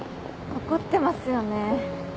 怒ってますよね。